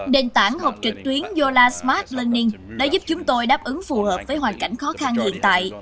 nền tảng học trực tuyến yola smart learning đã giúp chúng tôi đáp ứng phù hợp với hoàn cảnh khó khăn hiện tại